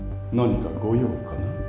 何かご用かな？